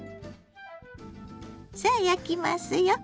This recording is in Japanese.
さあ焼きますよ。